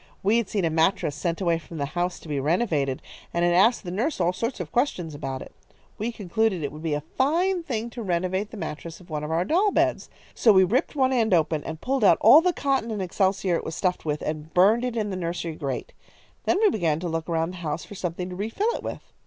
We had seen a mattress sent away from the house to be renovated, and had asked the nurse all sorts of questions about it. We concluded it would be a fine thing to renovate the mattress of one of our doll beds. So we ripped one end open and pulled out all the cotton and excelsior it was stuffed with, and burned it in the nursery grate. Then we began to look around the house for something to refill it with.